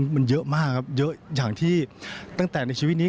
มันเยอะมากครับเยอะอย่างที่ตั้งแต่ในชีวิตนี้